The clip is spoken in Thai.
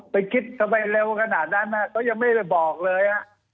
ไปคิดทำไมเร็วขนาดนั้นก็ยังไม่ได้บอกเลย